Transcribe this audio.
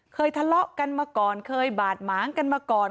ทะเลาะกันมาก่อนเคยบาดหมางกันมาก่อน